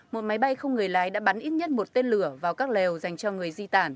một máy bay không người lái đã bắn ít nhất một tên lửa vào các lều dành cho người di tản